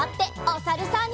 おさるさん。